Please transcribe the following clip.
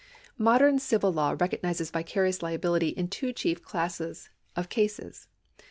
Modern civil law recognises vicarious liability in two chief classes of cases.